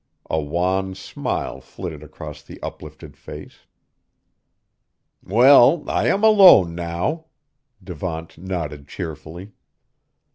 A wan smile flitted across the uplifted face. "Well, I am alone now;" Devant nodded cheerfully.